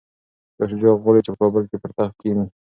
شاه شجاع غواړي چي په کابل کي پر تخت کښیني.